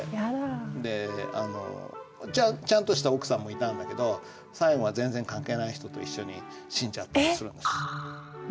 であのちゃんとした奥さんもいたんだけど最後は全然関係ない人と一緒に死んじゃったりするんです。